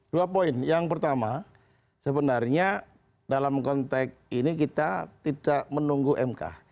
dua poin yang pertama sebenarnya dalam konteks ini kita tidak menunggu mk